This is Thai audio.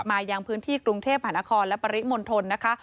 มายังพื้นที่กรุงเทพฯพนครและปริมนต์ธนตร์นะคะ